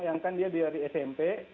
yang kan dia dari smp